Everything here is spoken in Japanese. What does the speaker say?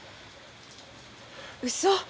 うそ。